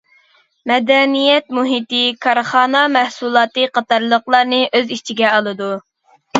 مەدەنىيەت مۇھىتى، كارخانا مەھسۇلاتى قاتارلىقلارنى ئۆز ئىچىگە ئالىدۇ.